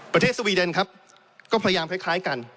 ประเทศสวีเดนครับก็พยายามคล้ายคล้ายกัน